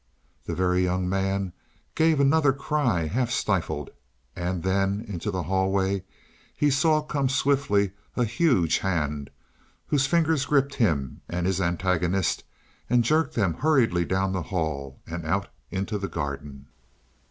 The Very Young Man gave another cry, half stifled. And then into the hallway he saw come swiftly a huge hand, whose fingers gripped him and his antagonist and jerked them hurriedly down the hall and out into the garden.